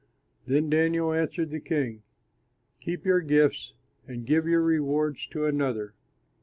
Then Daniel answered the king, "Keep your gifts and give your rewards to another.